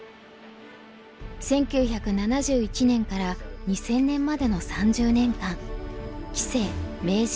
１９７１年から２０００年までの３０年間棋聖名人